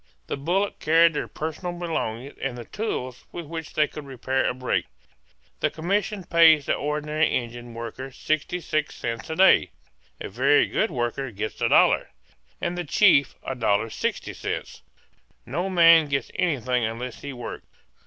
The bullock carried their personal belongings and the tools with which they could repair a break. The commission pays the ordinary Indian worker 66 cents a day; a very good worker gets $1, and the chief $1.66. No man gets anything unless he works.